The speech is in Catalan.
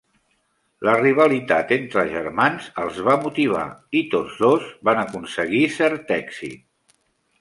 La rivalitat entre germans els va motivar, i tots dos van aconseguir cert èxit.